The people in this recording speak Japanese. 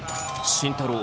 慎太郎